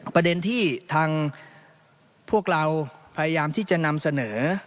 ประเด็นที่ทางพวกเราพยายามที่จะนำเสนอ